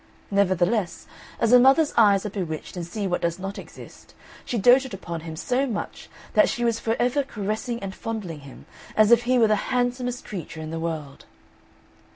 Nevertheless, as a mother's eyes are bewitched and see what does not exist, she doted upon him so much, that she was for ever caressing and fondling him as if he were the handsomest creature in the world.